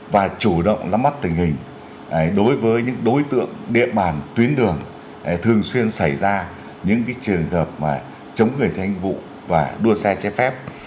và chủ động lắm mắt tình hình đối với những đối tượng địa bàn tuyến đường thường xuyên xảy ra những trường hợp chống người thi hành công vụ và đua xe chép phép